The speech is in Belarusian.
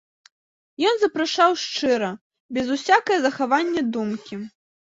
Ён запрашаў шчыра, без усякае захаванае думкі.